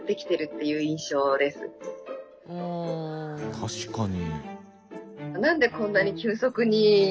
確かに。